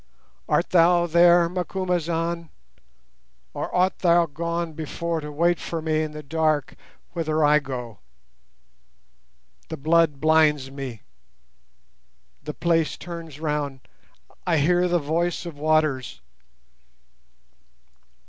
Art thou there, Macumazahn, or art thou gone before to wait for me in the dark whither I go? The blood blinds me—the place turns round—I hear the voice of waters."